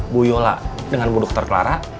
bu yola dengan buduk terklara